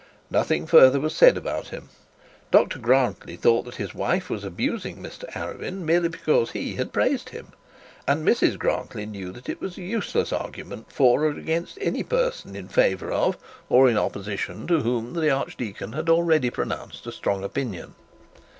Nothing further was said about him. Dr Grantly thought that his wife was abusing Mr Arabin merely because he had praised him; and Mrs Grantly knew that it was useless arguing for or against any person in favour of, or in opposition to whom the archdeacon had already pronounced a strong opinion.